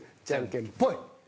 じゃんけんぽい。